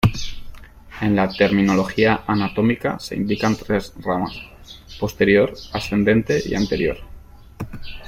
En la Terminología Anatómica se indican tres ramas: posterior, ascendente y anterior.